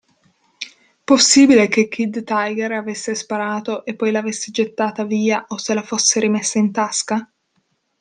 Possibile che Kid Tiger avesse sparato e poi l'avesse gettata via o se la fosse rimessa in tasca?